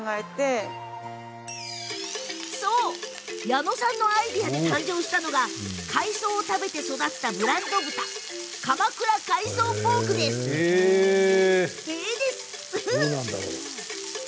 矢野さんのアイデアで誕生したのが海藻を食べて育ったブランド豚鎌倉海藻ポークです。